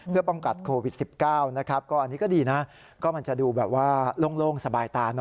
เพื่อป้องกัดโควิด๑๙นะครับ